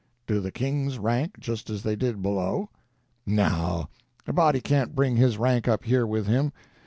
"Do the kings rank just as they did below?" "No; a body can't bring his rank up here with him.